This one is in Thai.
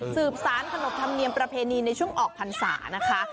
สืบสานขนบธรรมเนียมประเพณีในช่วงออกพันธ์ศาสตร์นะคะ